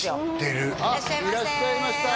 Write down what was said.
いらっしゃいました